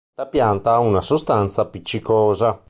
La pianta ha una sostanza appiccicosa.